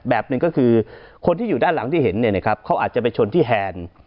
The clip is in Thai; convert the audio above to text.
แบบหนึ่งก็คือคนที่อยู่ด้านหลังที่เห็นเนี่ยนะครับเขาอาจจะไปชนที่แฮนด์